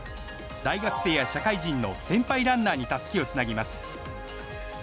大学生や社会人の先輩ランナーにたすきをつなぎます。